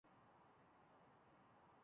暹罗盾蛭为舌蛭科盾蛭属的动物。